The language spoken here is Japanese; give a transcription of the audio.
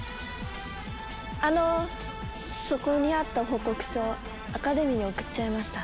あのそこにあった報告書アカデミーに送っちゃいました。